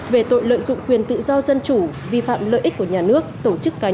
về tội lợi dụng quyền tự do dân chủ vi phạm lợi ích của nhà nước tổ chức cá nhân